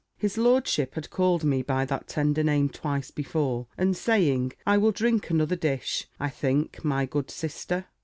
His lordship had called me by that tender name twice before, and saying, "I will drink another dish, I think, my good Sister."